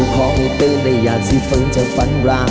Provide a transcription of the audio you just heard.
โปรดติดตามตอนต่อไป